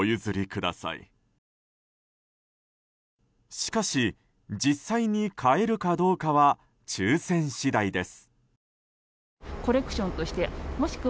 しかし実際に買えるかどうかは抽選次第です。